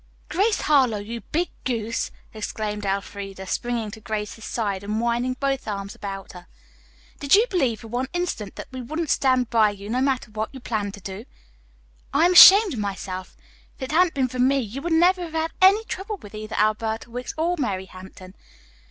"Grace Harlowe, you big goose!" exclaimed Elfreda, springing to Grace's side and winding both arms about her. "Did you believe for one instant that we wouldn't stand by you no matter what you planned to do? I am ashamed of myself. If it hadn't been for me, you would never have had any trouble with either Alberta Wicks or Mary Hampton.